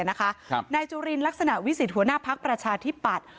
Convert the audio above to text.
นายจุลินลักษณะวิสิทธิหัวหน้าพักประชาธิปัตย์